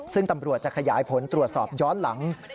ซึ่งตำรวจจะขยายผลตรวจสอบย้อนหลัง